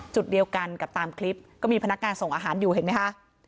จุดเดียวกันกับตามคลิปก็มีพนักงานส่งอาหารอยู่เห็นไหมคะ